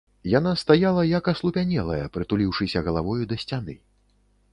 Яна стаяла, як аслупянелая, прытуліўшыся галавою да сцяны.